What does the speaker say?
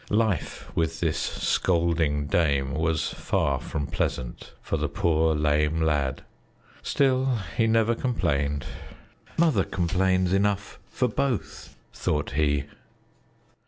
Life with this scolding dame was far from pleasant for the poor lame lad. Still he never complained. "Mother complains enough for both," thought he.